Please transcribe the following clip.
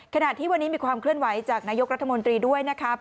ขณะที่วันนี้มีความเคลื่อนไหวจากนายกรัฐมนตรีด้วยนะครับ